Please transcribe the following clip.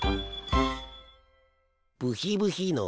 ブヒブヒのヒ。